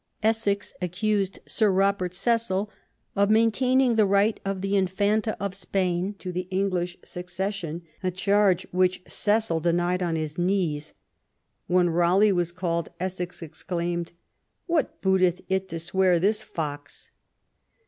Essex accused Sir Robert LAST YEARS OF ELIZABETH, 293 Cecil of maintaining the right of the Infanta of Spain to the English succession, a charge which Cecil denied on his knees. When Raleigh was called, Essex exclaimed: What booteth it to swear this fox